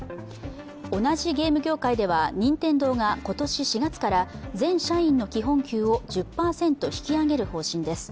同じゲーム業界では任天堂が今年４月から全社員の基本給を１０％引き上げる方針です。